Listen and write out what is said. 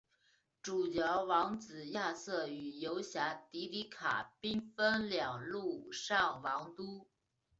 主角王子亚瑟与游侠迪迪卡兵分两路上王都。